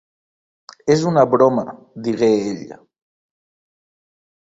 "És una broma," digué ell.